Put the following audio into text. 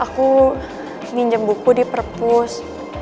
aku minjem buku di perpus